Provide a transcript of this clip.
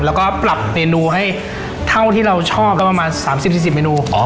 แล้วก็ปรับให้เท่าที่เราชอบก็ประมาณสามสิบสิบเมนูอ๋อ